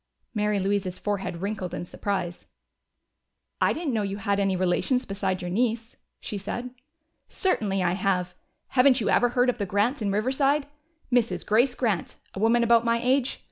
Mary Louise's forehead wrinkled in surprise. "I didn't know you had any relations besides your niece," she said. "Certainly I have. Haven't you ever heard of the Grants in Riverside? Mrs. Grace Grant a woman about my age?